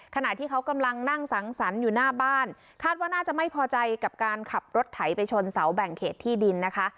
ขณะที่เขากำลังนั่งสังสรรค์อยู่หน้าบ้านคาดว่าน่าจะไม่พอใจกับการขับรถไถไปชนเสาแบ่งเขตที่ดินนะคะ